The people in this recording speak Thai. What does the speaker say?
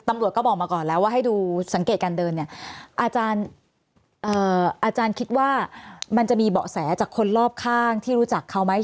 มันจะมีเบาะแสจากคนรอบข้างที่รู้จักเขาไหม